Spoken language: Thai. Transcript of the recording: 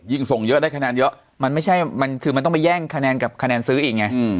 ส่งเยอะได้คะแนนเยอะมันไม่ใช่มันคือมันต้องไปแย่งคะแนนกับคะแนนซื้ออีกไง